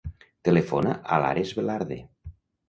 Telefona a l'Ares Velarde.